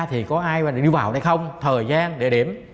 thì có ai đi vào đây không thời gian địa điểm